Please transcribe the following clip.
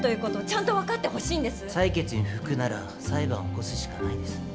裁決に不服なら裁判を起こすしかないです。